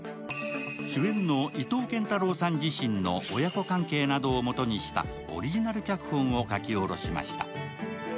主演の伊藤健太郎さん自身の親子関係などを元にしたオリジナル脚本を書き下ろしました。